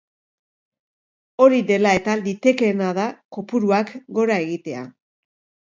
Hori dela eta, litekeena da kopuruak gora egitea.